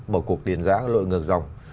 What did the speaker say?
mở cuộc điền giã lội ngược dòng